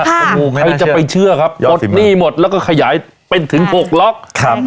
ใครจะไปเชื่อครับปลดหนี้หมดแล้วก็ขยายเป็นถึง๖ล็อก